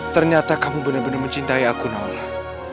ternyata kamu benar benar mencintai aku noleh